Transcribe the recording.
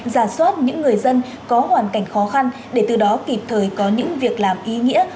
giả soát những người dân có hoàn cảnh khó khăn để từ đó kịp thời có những việc làm ý nghĩa